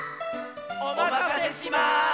おまかせします！